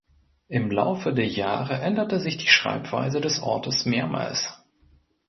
Im Laufe der Jahre änderte sich die Schreibweise des Ortes mehrmals.